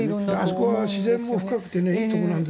あそこは自然も深くていいところなんです。